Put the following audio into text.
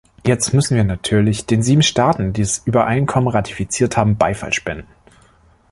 Jetzt müssen wir natürlich den sieben Staaten, die das Übereinkommen ratifiziert haben, Beifall spenden.